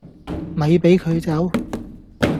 咪俾佢走